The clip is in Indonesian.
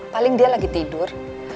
paling dia lagi tidur